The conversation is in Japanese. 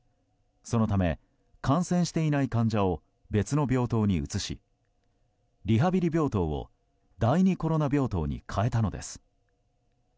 そのため、感染していない患者を別のコロナ病棟に移しリハビリ病棟を第２コロナ病棟に変えたのです。